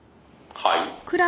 「はい？」